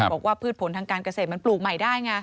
พืชผลทางการเกษตรมันปลูกใหม่ได้ไง